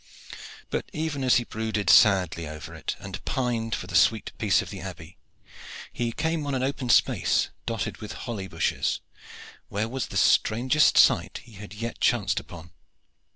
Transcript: But even as he brooded sadly over it and pined for the sweet peace of the Abbey, he came on an open space dotted with holly bushes, where was the strangest sight that he had yet chanced upon.